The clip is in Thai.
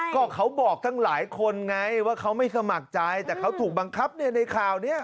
ก็เขาบอกทั้งหลายคนไงว่าเขาไม่สมัครใจแต่เขาถูกบังคับในข่าวนี้